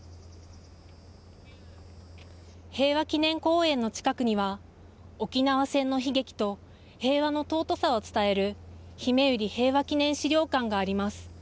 平和祈念公園の近くには、沖縄戦の悲劇と平和の尊さを伝える、ひめゆり平和祈念資料館があります。